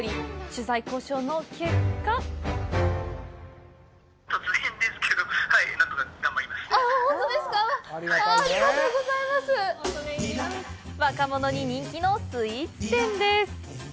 取材交渉の結果若者に人気のスイーツ店です。